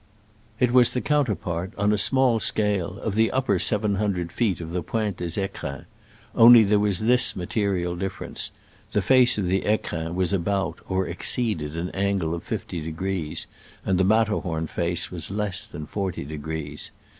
It was the counterpart, on a small scale, of the upper seven hundred feet of the Pointe des tcrins ; only there was this material difference — the face of the fecrins was about, or exceeded, an angle of fifty degrees, and the Matter horn face was less than forty degrees.